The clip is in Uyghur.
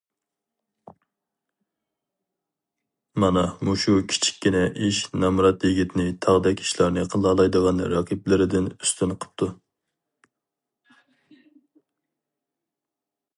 مانا مۇشۇ كىچىككىنە ئىش نامرات يىگىتنى تاغدەك ئىشلارنى قىلالايدىغان رەقىبلىرىدىن ئۈستۈن قىپتۇ.